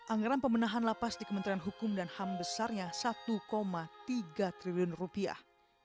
anggaran pemenahan lapas di kementerian hukum dan ham besarnya satu tiga triliun rupiah